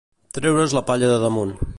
Treure's la palla de damunt.